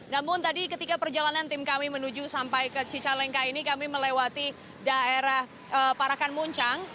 namun tadi ketika perjalanan tim kami menuju sampai ke cicalengka ini kami melewati daerah parakan muncang